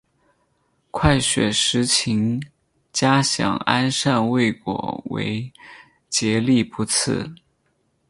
快雪时晴佳想安善未果为结力不次。